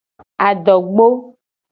Adogbo.